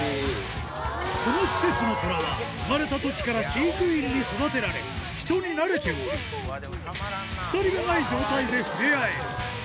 この施設のトラは、生まれたときから飼育員に育てられ、人に慣れており、鎖がない状態で触れ合える。